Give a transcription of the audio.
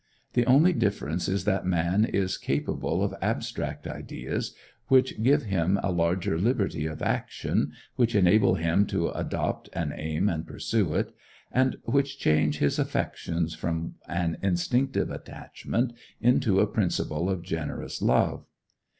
The only difference is that man is capable of abstract ideas, which give him a larger liberty of action, which enable him to adopt an aim and pursue it, and which change his affections from an instinctive attachment into a principle of generous love.